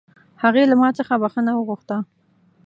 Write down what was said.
هغې له ما څخه بښنه وغوښته